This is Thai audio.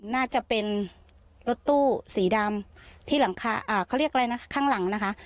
น่าจะเป็นรถตู้สีดำที่หลังคาอ่าเขาเรียกอะไรนะข้างหลังนะคะ